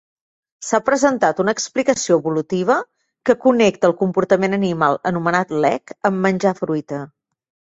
S'ha presentat una explicació evolutiva que connecta el comportament animal anomenat lek amb menjar fruita.